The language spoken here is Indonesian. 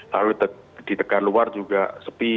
lalu di dekat luar juga sepi